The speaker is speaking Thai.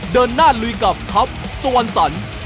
เดินหน้าลุยกับครับสวรรค์สรรค์